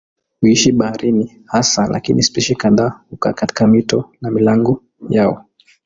Huishi baharini hasa lakini spishi kadhaa hukaa katika mito na milango yao.